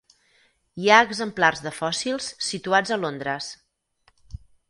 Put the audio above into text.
Hi ha exemplars de fòssils situats a Londres.